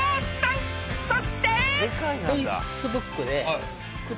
［そして］